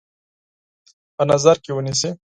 په نظر کې ونیسي.